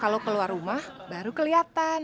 kalau keluar rumah baru kelihatan